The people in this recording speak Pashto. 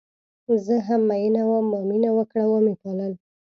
زه هم میینه وم ما مینه وکړه وه مې پالل